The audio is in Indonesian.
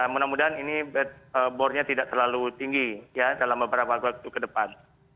mudah mudahan ini bornya tidak terlalu tinggi ya dalam beberapa waktu ke depan